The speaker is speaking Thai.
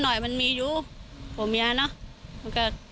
จน๘โมงเช้าวันนี้ตำรวจโทรมาแจ้งว่าพบเป็นศพเสียชีวิตแล้ว